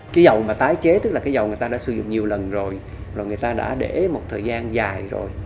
cái dầu mà tái chế tức là cái dầu người ta đã sử dụng nhiều lần rồi rồi người ta đã để một thời gian dài rồi